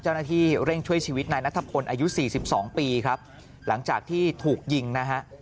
เจ้าหน้าที่เร่งช่วยชีวิตนายนัทพลอายุสี่สิบสองปีครับหลังจากที่ถูกยิงนะฮะ